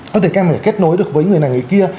có thể các em có thể kết nối được với người này người kia